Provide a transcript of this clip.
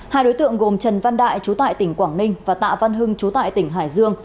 hai đối tượng gồm trần văn đại chú tại tỉnh quảng ninh và tạ văn hưng chú tại tỉnh hải dương